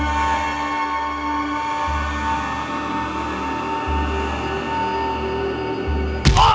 ชื่อฟอยแต่ไม่ใช่แฟง